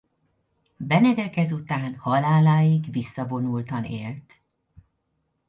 Benedek ezután haláláig visszavonultan élt.